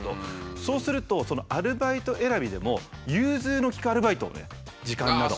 そうするとアルバイト選びでも融通の利くアルバイトをね時間など。